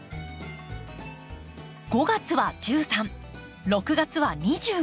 ５月は１３６月は２５